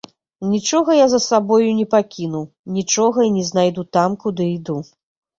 Нічога я за сабою не пакінуў, нічога і не знайду там, куды іду.